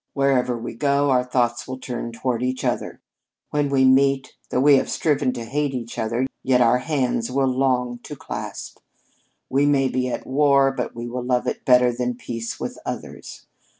Wherever we go, our thoughts will turn toward each other. When we meet, though we have striven to hate each other, yet our hands will long to clasp. We may be at war, but we will love it better than peace with others.